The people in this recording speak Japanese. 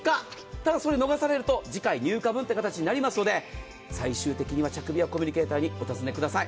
ただ、それを逃されると次回入荷分となりますので最終的にはコミュニケーターにお尋ねください。